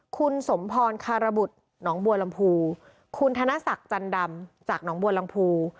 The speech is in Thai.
คุณสมพรคารบุตรหนองบัวลำพูคุณธนศักดิ์จันดำจากหนองบัวลำพู